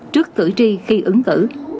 trước cử tri khi ứng cử